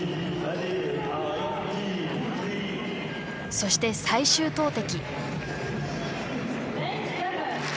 そして最終投てき。